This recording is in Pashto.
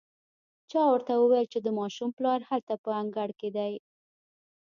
چا ورته وويل چې د ماشوم پلار هلته په انګړ کې دی.